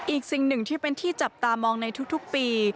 อีกสิ่งหนึ่งที่เป็นที่จับตามองในทุกปี